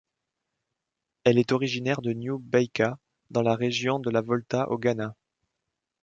Elle est originaire de New Baika dans la région de la Volta au Ghana.